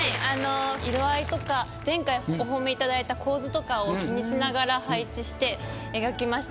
色合いとか前回お褒めいただいた構図とかを気にしながら配置して描きました。